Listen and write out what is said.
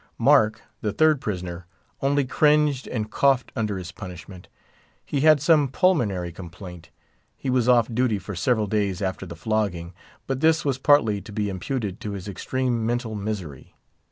Mark, the third prisoner, only cringed and coughed under his punishment. He had some pulmonary complaint. He was off duty for several days after the flogging; but this was partly to be imputed to his extreme mental misery.